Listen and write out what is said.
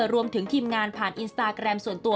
รวมถึงทีมงานผ่านอินสตาแกรมส่วนตัว